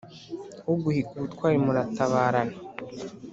Uguhiga ubutwari muratabarana.